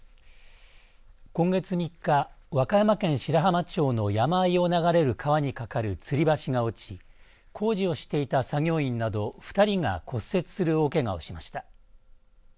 今月３日和歌山県白浜町の山あいを流れる川に架かるつり橋が落ち工事をしていた作業員など２人が骨折する大けがをしました。